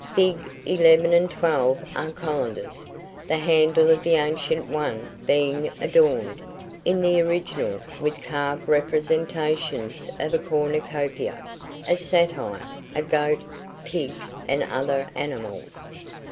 Figs. 11 and 12 are colanders, the handle of the ancient one being adorned, in the original, with carved representations of a cornucopia, a satyr, a goat, pigs, and other animals.